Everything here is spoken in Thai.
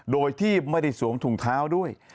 โดยที่ไม่ได้สวมถุงเท้าด้วย